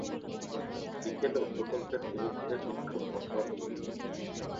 বিকেলেও প্রকল্পের বিরুদ্ধে বিক্ষোভ অব্যাহত থাকে।